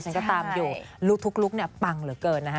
ฉันก็ตามอยู่ทุกลุคเนี่ยปังเหลือเกินนะฮะ